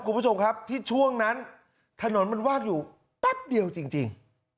คุณผู้ชมครับที่ช่วงนั้นถนนมันว่างอยู่แป๊บเดียวจริง